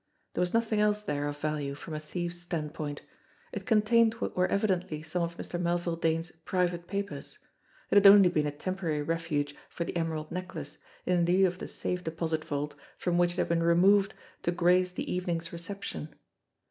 There was nothing else there of value from a thief's standpoint. It contained what were evidently some of Mr. Melville Dane's private papers; it had only been a temporary refuge for the emerald necklace, in lieu of the safe deposit vault from which it had been removed to grace the evening's reception.